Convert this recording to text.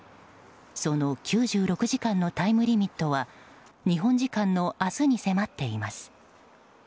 その９６時間のタイムリミットは日本時間の明日に迫っています。